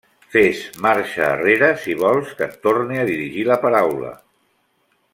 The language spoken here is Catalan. Fes marxa arrere si vols que et torne a dirigir la paraula.